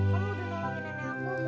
kamu sudah menolongi nenek aku